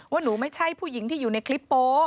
หนูไม่ใช่ผู้หญิงที่อยู่ในคลิปโป๊